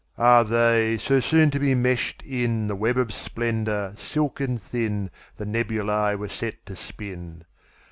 Ah, they, so soon to be meshed inThe web of splendour, silken thin, The nebulae were set to spin!